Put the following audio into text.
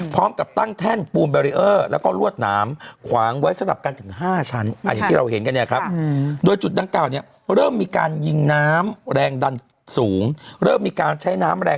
พร้อมกับตั้งแท่นปูมแบรียอร์แล้วก็ลวดน้ำ